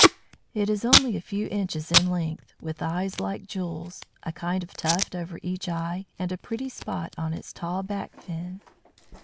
It is only a few inches in length, with eyes like jewels, a kind of tuft over each eye, and a pretty spot on its tall back fin.